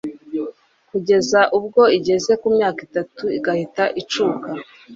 kugeza ubwo igeze ku myaka itatu igahita icuka